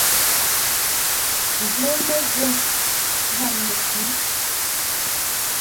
Jwó Mə́zô gháp Məshwî.